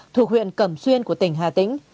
thuộc huyện cầm xuyên của tỉnh hà tĩnh